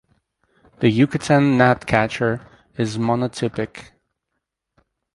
The Yucatan gnatcatcher is monotypic.